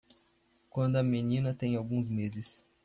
Quando a menina tem alguns meses